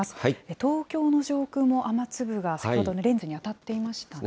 東京の上空も雨粒が、先ほどレンズに当たっていましたね。